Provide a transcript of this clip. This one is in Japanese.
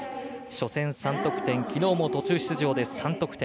初戦３得点、きのうも途中出場で３得点。